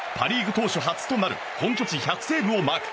投手初となる本拠地１００セーブをマーク。